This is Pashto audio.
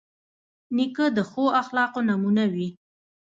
نیکه د ښو اخلاقو نمونه وي.